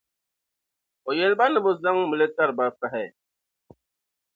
o yɛli ba ni bɛ zaŋm’ li tari ba pahi.